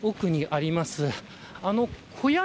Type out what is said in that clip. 奥にあります